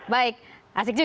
baik asik juga